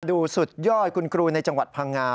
ดูสุดยอดคุณครูในจังหวัดพังงา